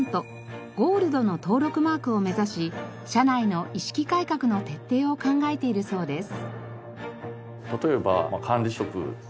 ゴールドの登録マークを目指し社内の意識改革の徹底を考えているそうです。